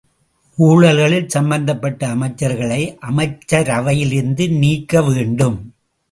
ஊழல்களில் சம்பந்தப்பட்ட அமைச்சர்களை அமைச்சரவையிலிருந்து நீக்கவேண்டும்.